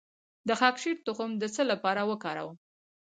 د خاکشیر تخم د څه لپاره وکاروم؟